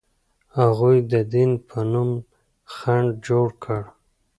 هغوی د دین په نوم خنډ جوړ کړ.